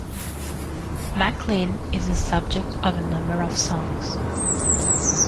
Maclean is the subject of a number of songs.